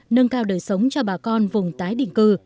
nâng cao đời sống cho bà con vùng tái định cư